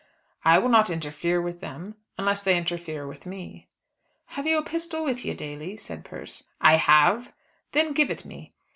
"I will not interfere with them, unless they interfere with me." "Have you a pistol with you, Daly?" said Persse. "I have." "Then give it me."